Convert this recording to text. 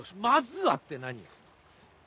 「まずは」って何よ？